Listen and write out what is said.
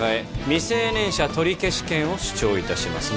未成年者取消権を主張いたします